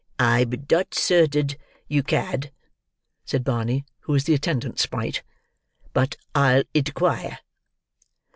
"I'b dot certaid you cad," said Barney, who was the attendant sprite; "but I'll idquire."